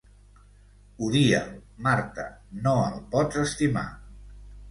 Odia'l, Marta, no el pots estimar.